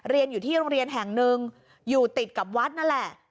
เรียนอยู่ที่โรงเรียนแห่งหนึ่งอยู่ติดกับวัดนั่นแหละ